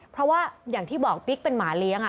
เพราะว่าอย่างที่บอกปิ๊กเป็นหมาเลี้ยง